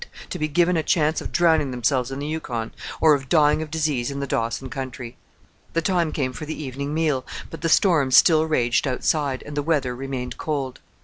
to be given a chance of drowning themselves in the Yukon, or of dying of disease in the Dawson country!" The time came for the evening meal; but the storm still raged outside and the weather remained cold.